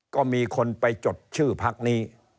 ก็มีคนไปจดชื่อพักนี้